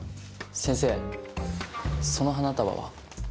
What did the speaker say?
先生その花束は？